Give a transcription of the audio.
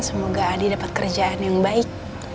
semoga adi dapat kerjaan yang baik